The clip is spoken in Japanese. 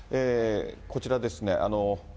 こちらですね。